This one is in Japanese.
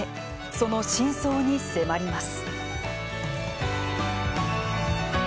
その深層に迫ります。